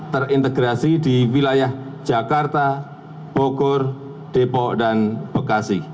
terintegrasi di wilayah jakarta bogor depok dan bekasi